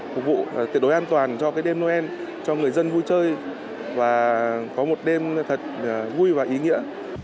phục vụ tuyệt đối an toàn cho cái đêm noel cho người dân vui chơi và có một đêm thật vui và ý nghĩa